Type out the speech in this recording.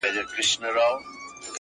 o او ذهنونه بوخت ساتي ډېر ژر,